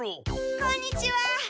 こんにちは！